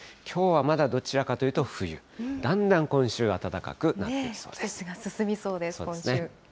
きょうはまだ、どちらかというと冬、だんだん今週、暖かくなってきそうです。